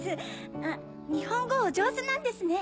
あ日本語お上手なんですね。